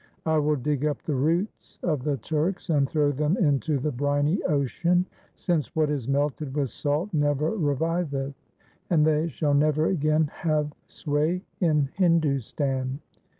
I will dig up the roots of the Turks and throw them into the briny ocean, since what is melted with salt never reviveth, and they shall never again have sway in Hindustan.'